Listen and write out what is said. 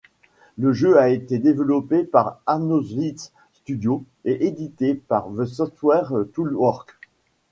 Le jeu a été développé par Arnowitz Studios et édité par The Software Toolworks.